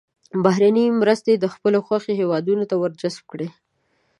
بهرنۍ مرستې د خپلې خوښې هېوادونو ته ور جذب کړي.